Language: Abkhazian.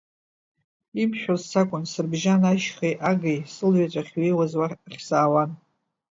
Имшәоз сакәын, срыбжьан ашьхеи агеи, сылҩаҵә ахьҩеиуаз ахь саауан.